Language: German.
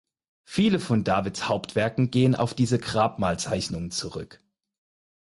Viele von Davids Hauptwerken gehen auf diese Grabmalzeichnungen zurück.